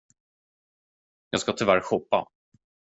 Jag ska tyvärr shoppa.